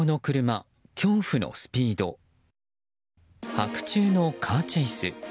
白昼のカーチェイス。